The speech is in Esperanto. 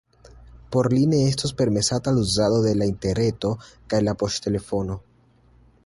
Por li ne estos permesata la uzado de la interreto kaj la poŝtelefono.